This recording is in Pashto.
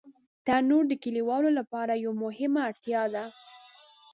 تنور د کلیوالو لپاره یوه مهمه اړتیا ده